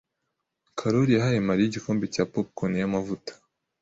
Karoli yahaye Mariya igikombe cya popcorn yamavuta.